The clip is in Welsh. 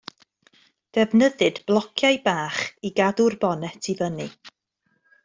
Defnyddid blociau bach i gadw'r bonet i fyny.